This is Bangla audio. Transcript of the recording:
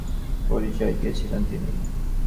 তিনি অসামান্য অভিনয় দক্ষতার পরিচয় দিয়েছেন।